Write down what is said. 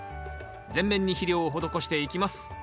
全面に肥料を施していきます。